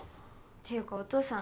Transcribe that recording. ていうかお父さん。